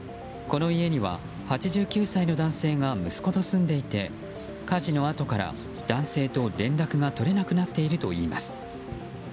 この家には８９歳の男性が息子と住んでいて火事のあとから男性と連絡が取れなくなっているといいます。